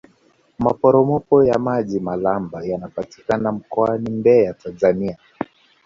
maporomoko ya maji malamba yanapatikana mkoani mbeya tanzania